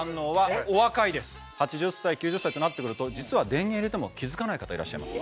８０歳９０歳となって来ると実は電源入れても気付かない方いらっしゃいます。